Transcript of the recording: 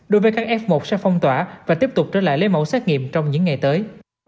đối với các f một sẽ phong tỏa và tiếp tục trở lại lấy mẫu xét nghiệm trong những ngày tới